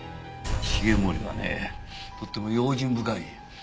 繁森はねとっても用心深い。